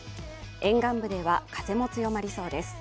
沿岸部では風も強まりそうです。